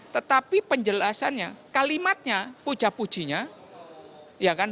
tetapi penjelasannya kalimatnya puja pujinya